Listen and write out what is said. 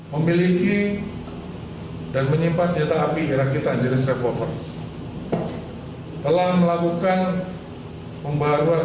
memiliki dan menyimpan senjata api kira kita jenis revolver telah melakukan pembaruan